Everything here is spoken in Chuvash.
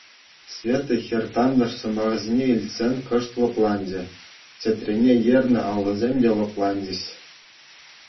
Света хӗр тантӑш сӑмахӗсене илтсен кӑшт лӑпланчӗ, чӗтрене ернӗ аллисем те лӑпланчӗҫ.